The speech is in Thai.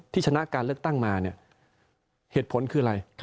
ชนะการเลือกตั้งมาเนี่ยเหตุผลคืออะไร